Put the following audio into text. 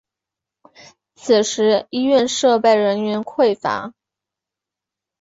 此时医院设备人员匮乏。